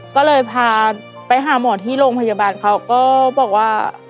ก็เลยพาไปหาหมอที่โรงพยาบาลเขาก็บอกว่า